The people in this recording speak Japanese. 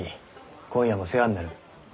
今夜も世話になる。